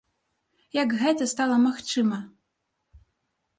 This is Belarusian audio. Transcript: Як гэта стала магчыма?